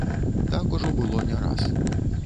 Так ужо было не раз.